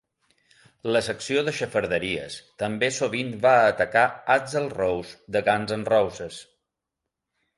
La secció de xafarderies també sovint va atacar Axl Rose de Guns'N'Roses.